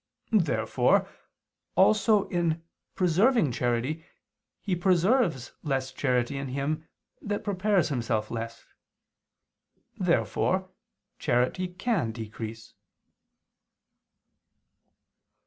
Therefore also in preserving charity, He preserves less charity in him that prepares himself less. Therefore charity can decrease.